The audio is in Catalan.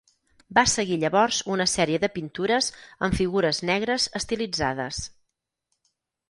Va seguir llavors una sèrie de pintures amb figures negres estilitzades.